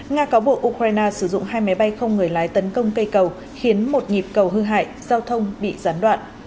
nga cáo buộc ukraine sử dụng hai máy bay không người lái tấn công cây cầu khiến một nhịp cầu hư hại giao thông bị gián đoạn